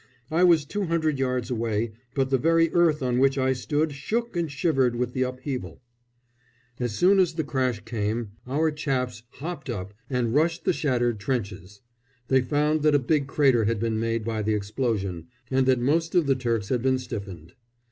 I was two hundred yards away, but the very earth on which I stood shook and shivered with the upheaval. As soon as the crash came our chaps hopped up and rushed the shattered trenches. They found that a big crater had been made by the explosion, and that most of the Turks had been stiffened.